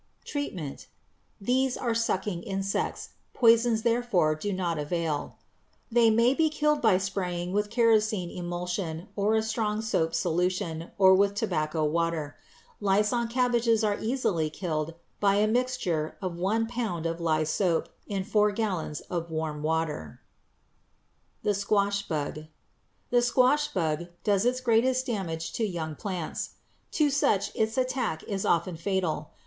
Treatment. These are sucking insects. Poisons therefore do not avail. They may be killed by spraying with kerosene emulsion or a strong soap solution or with tobacco water. Lice on cabbages are easily killed by a mixture of one pound of lye soap in four gallons of warm water. [Illustration: FIG. 166. A CHEAP SPRAYING OUTFIT] =The Squash Bug.= The squash bug does its greatest damage to young plants. To such its attack is often fatal.